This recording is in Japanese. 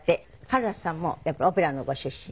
カルロスさんもやっぱりオペラのご出身？